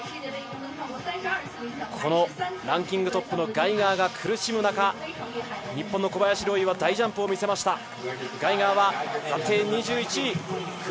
このランキングトップのガイガーが苦しむ中、日本の小林陵侑は大ジャンプを見せました。